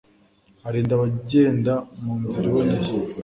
arinda abagenda mu nzira iboneye